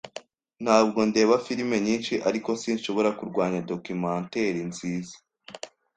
Ntabwo ndeba firime nyinshi, ariko sinshobora kurwanya documentaire nziza.